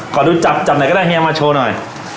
ขอดูจับจับหน่อยก็ได้เฮียมาโชว์หน่อย